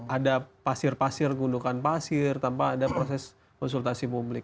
ada pasir pasir gundukan pasir tanpa ada proses konsultasi publik